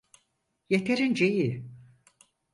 Yeterince iyi.